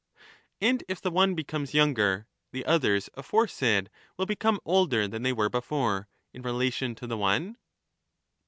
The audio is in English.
And if the one becomes younger the others aforesaid will and they become older than they were before, in relation to the one.